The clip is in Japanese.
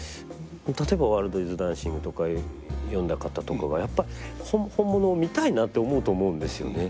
例えば「ワールドイズダンシング」とか読んだ方とかがやっぱり本物を見たいなと思うと思うんですよね。